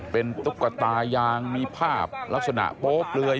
เป็นตุ๊กตายางมีภาพลักษณะโป๊เปลือย